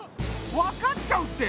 分かっちゃうって。